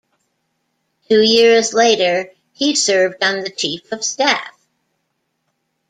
Two years later, he served on the Chief of Staff.